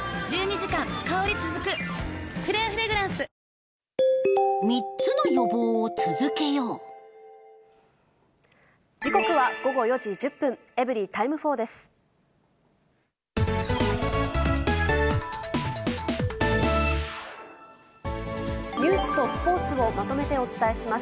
時刻は午後４時１０分、エブリィタイム４です。